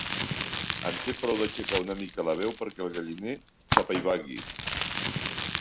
En té prou d'aixecar una mica la veu perquè el galliner s'apaivagui.